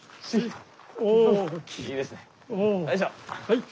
はい！